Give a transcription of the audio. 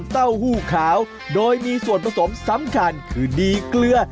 เต้าหู้ขาวโดยมีส่วนผสมสำคัญคือดีเกลือ